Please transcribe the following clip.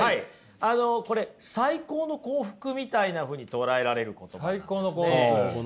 あのこれ「最高の幸福」みたいなふうに捉えられる言葉なんですね。